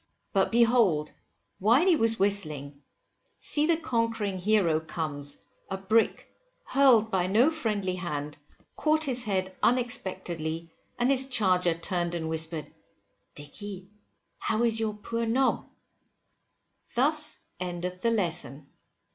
But behold, while he was whistling, see the conquering hero comes, a brick, hurled by no friendly hand, caught his head unexpectedly, and his charger turned and whispered, Dicky, how is your poor nob? Thus endeth the Lesson.